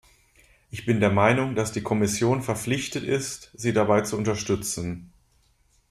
Ich bin der Meinung, dass die Kommission verpflichtet ist, sie dabei zu unterstützen.